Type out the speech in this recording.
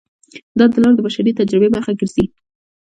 دا لار د بشري تجربې برخه ګرځي.